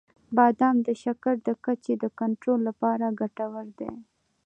• بادام د شکر د کچې د کنټرول لپاره ګټور دي.